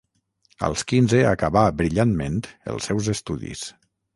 Als quinze acabà brillantment els seus estudis.